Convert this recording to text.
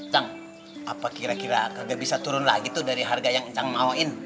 cang apa kira kira kagak bisa turun lagi tuh dari harga yang cang mauin